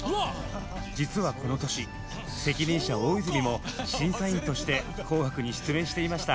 実はこの年責任者・大泉も審査員として「紅白」に出演していました。